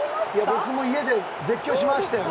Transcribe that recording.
僕も家で絶叫しましたよ